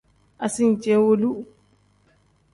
Asincewolu.